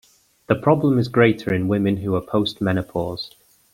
The problem is greater in women who are post-menopause.